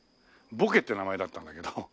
ボケって名前だったんだけど。